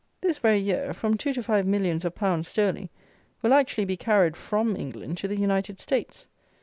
This very year, from two to five millions of pounds sterling will actually be carried from England to the United States.